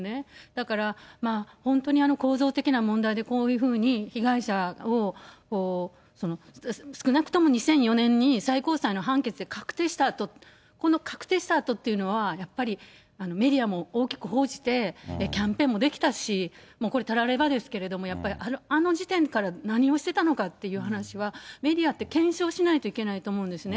だから、本当に構造的な問題で、こういうふうに被害者を少なくとも２００４年に最高裁の判決で確定したあと、この確定したあとっていうのは、やっぱりメディアも大きく報じて、キャンペーンもできたし、もうこれ、たらればですけれども、やっぱりあの時点から何をしてたのかという話は、メディアって検証しないといけないと思うんですね。